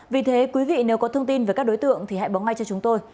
vì thế quý vị nếu có thông tin về các đối tượng thì hãy bóng ngay cho chúng tôi